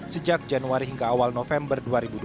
sejak januari hingga awal november dua ribu dua puluh